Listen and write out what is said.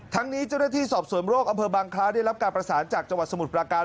ทั้งนี้เจ้าหน้าที่สอบสวนโรคอำเภอบางคล้าได้รับการประสานจากจังหวัดสมุทรปราการ